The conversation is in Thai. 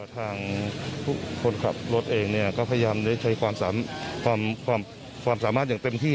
ทุกคนขับรถเองก็พยายามได้ใช้ความสามารถอย่างเต็มที่